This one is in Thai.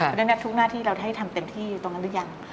เพราะฉะนั้นทุกหน้าที่เราได้ทำเต็มที่ตรงนั้นหรือยัง